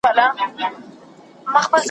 هغه زه یم چي بلېږم له پتنګ سره پیمان یم ,